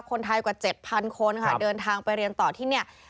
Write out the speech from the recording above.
คนไทยกว่า๗๐๐คนค่ะเดินทางไปเรียนต่อที่เนี่ย